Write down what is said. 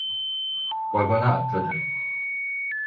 Vagona atladı.